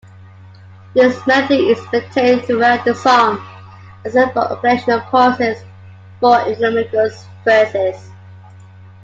This melody is maintained throughout the song, except for occasional pauses for Minogue's verses.